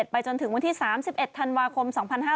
ไปจนถึงวันที่๓๑ธันวาคม๒๕๕๙